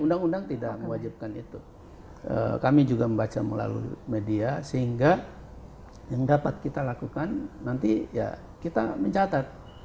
tidak ada kewajiban itu kami juga membaca melalui media sehingga yang dapat kita lakukan nanti ya kita mencatat